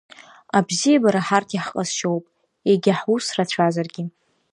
Абзиабара ҳарҭ иаҳҟазшьоуп, Иагьа ҳус рацәазаргьы.